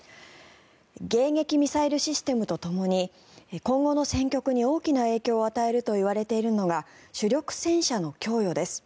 迎撃ミサイルシステムとともに今後の戦局に大きな影響を与えるといわれているのが主力戦車の供与です。